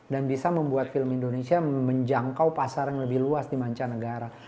dan bisa membuat film indonesia menjangkau pasar yang lebih luas di manca negara